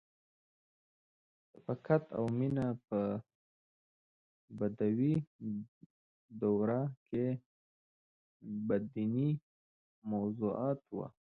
• شفقت او مینه په بدوي دوره کې بدیعي موضوعات وو.